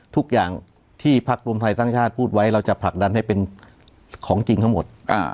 ทุกอย่างที่พักรวมไทยสร้างชาติพูดไว้เราจะผลักดันให้เป็นของจริงทั้งหมด